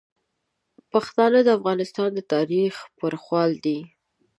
پښتانه د افغانستان د تاریخ برخوال دي.